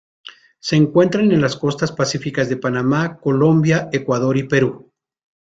Se encuentran en las costas pacíficas de Panamá, Colombia, Ecuador y Perú.